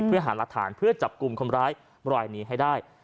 เพื่อหารักฐานเพื่อจับกลุ่มคนร้ายบรายนี้ให้ได้